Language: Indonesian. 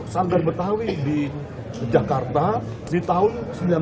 sambal betawi di jakarta di tahun seribu sembilan ratus sembilan puluh